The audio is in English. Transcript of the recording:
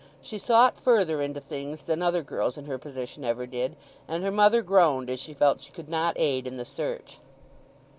She sought further into things than other girls in her position ever did, and her mother groaned as she felt she could not aid in the search.